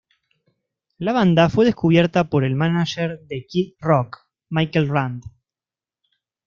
La banda fue descubierta por el mánager de Kid Rock, Michael Rand.